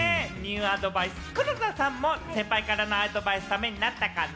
黒田さんも先輩からのアドバイス、ためになったかな？